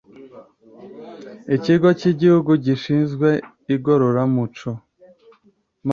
Ikigo cy Igihugu gishinzwe Igororamuco.